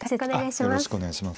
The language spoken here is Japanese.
よろしくお願いします。